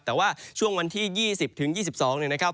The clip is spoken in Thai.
แต่ว่าช่วงวันที่๒๐๒๒นะครับ